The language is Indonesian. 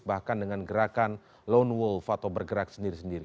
bahkan dengan gerakan lone wolf atau bergerak sendiri sendiri